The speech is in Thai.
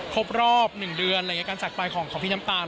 ครบรอบ๑เดือนอะไรอย่างนี้การจากไปของพี่น้ำตาล